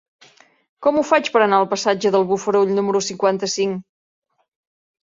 Com ho faig per anar al passatge dels Bofarull número cinquanta-cinc?